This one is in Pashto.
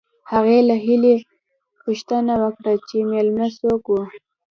هغې له هیلې پوښتنه وکړه چې مېلمانه څوک وو